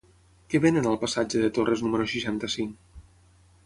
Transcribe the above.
Què venen al passatge de Torres número seixanta-cinc?